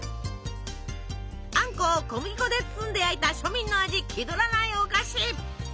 あんこを小麦粉で包んで焼いた庶民の味気取らないお菓子。